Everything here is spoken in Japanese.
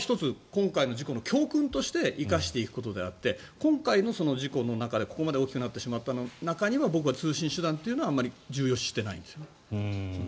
今回の事故の教訓として生かしていくことであって今回の事故の中でここまで大きくなってしまった中には僕は通信手段というのはあまり重要視していないですね。